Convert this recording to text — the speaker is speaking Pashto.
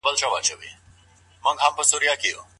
که ماشوم لمونځ ونه کړي نو څه ورسره کيږي؟